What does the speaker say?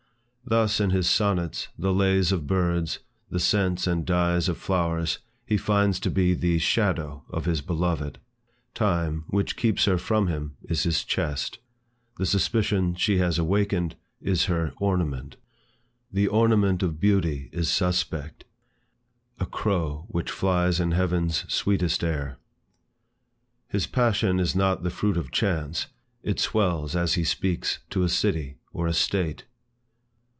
Thus, in his sonnets, the lays of birds, the scents and dyes of flowers, he finds to be the shadow of his beloved; time, which keeps her from him, is his chest; the suspicion she has awakened, is her ornament; The ornament of beauty is Suspect, A crow which flies in heaven's sweetest air. His passion is not the fruit of chance; it swells, as he speaks, to a city, or a state.